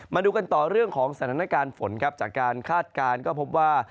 มาดูกันต่อเรื่องของสถานการณ์ฝนครับจากการคาดการณ์ก็พบว่า